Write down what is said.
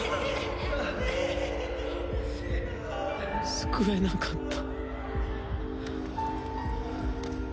救えなかった